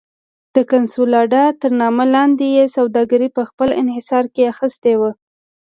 د کنسولاډا تر نامه لاندې یې سوداګري په خپل انحصار کې اخیستې وه.